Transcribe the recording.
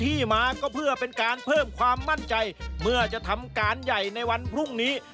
ที่มาก็เพื่อเป็นการเพิ่มความมั่นใจเมื่อจะทำการใหญ่ในวันพรุ่งนี้